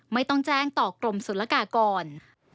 ไม่ต้องแจ้งต่อกรมศุลกากร